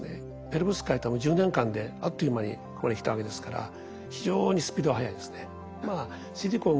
ペロブスカイトはもう１０年間であっという間にここに来たわけですから非常にスピードは速いですね。